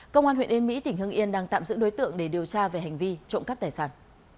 công an huyện yên mỹ tỉnh hưng yên đang tạm giữ đối tượng để điều tra về hành vi trộm cắp tài sản